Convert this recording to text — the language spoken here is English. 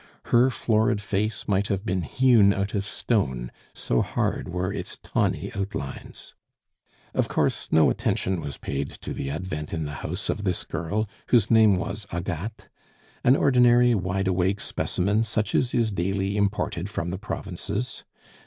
Her florid face might have been hewn out of stone, so hard were its tawny outlines. Of course no attention was paid to the advent in the house of this girl, whose name was Agathe an ordinary, wide awake specimen, such as is daily imported from the provinces.